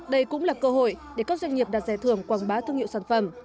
đây cũng là cơ hội để các doanh nghiệp đạt giải thưởng quảng bá thương hiệu sản phẩm